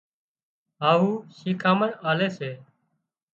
هاهُو شيکامڻ آلي سي